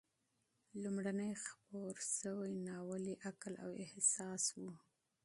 لومړنی خپور شوی ناول یې "عقل او احساس" و.